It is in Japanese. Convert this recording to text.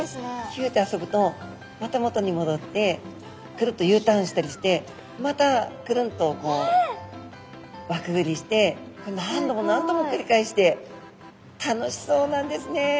ひゅと遊ぶとまた元にもどってくるっとＵターンしたりしてまたくるんと輪くぐりして何度も何度もくりかえして楽しそうなんですね。